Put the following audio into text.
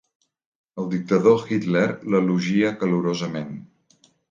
El dictador Hitler l'elogia calorosament.